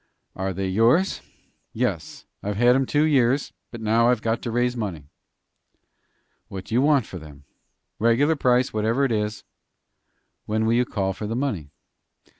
"Are they yours?" "Yes; I've had 'em two years, but now I've got to raise money." "What do you want for them?" "Regular price, whatever it is." "When will you call for the money?"